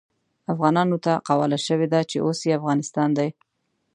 افغانانو ته قواله شوې ده چې اوس يې افغانستان دی.